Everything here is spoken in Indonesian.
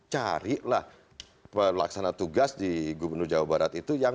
carilah pelaksana tugas di gubernur jawa barat itu yang